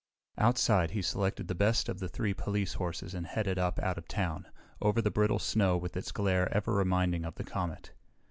Outside, he selected the best of the three police horses and headed up out of town, over the brittle snow with its glare ever reminding of the comet.